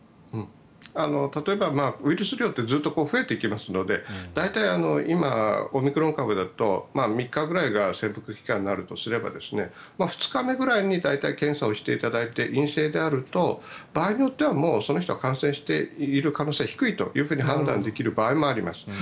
例えばウイルス量ってずっと増えていきますので大体、今オミクロン株だと３日ぐらいが潜伏期間になるとすれば２日目ぐらいに大体、検査をしていただいて陰性であると、場合によってはその人は感染している可能性は低いと判断できる場合もあります。